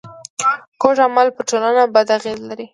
کوږ عمل پر ټولنه بد اغېز لري